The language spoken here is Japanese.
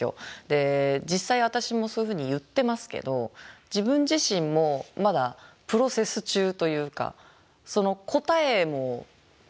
実際私もそういうふうに言ってますけど自分自身もまだプロセス中というかその答えも見つかってないんですよね